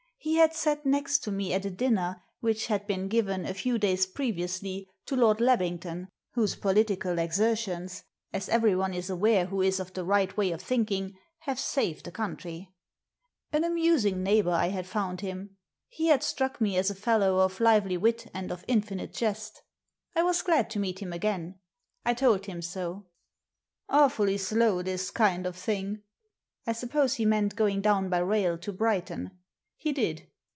He had sat next to me at a dinner which had been given, a few days previously, to Lord Labington, whose political exertions, as everyone is aware who is of the right way of thinking, have saved the country I An amusing neighbour I had found him. He had struck me as a fellow of lively wit and of infinite jest I was glad to meet him again. I told him so. "Awfully slow this kind of thing." I suppose he meant going down by rail to Brighton. He did!